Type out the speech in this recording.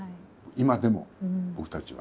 今でも僕たちはね。